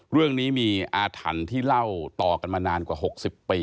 เรื่องนี้มีอาถรรพ์ที่เล่าต่อกันมานานกว่า๖๐ปี